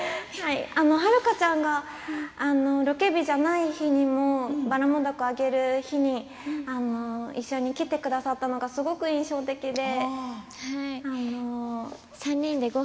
遥ちゃんがロケ日じゃない日にもばらもん凧を揚げる日に一緒に来てくださったのが印象的で。